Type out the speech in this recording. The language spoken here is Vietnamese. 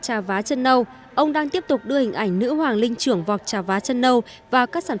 trà vá chân nâu ông đang tiếp tục đưa hình ảnh nữ hoàng linh trưởng vọc trà vá chân nâu vào các sản